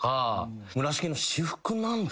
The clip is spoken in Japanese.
村重の「私服なんだ」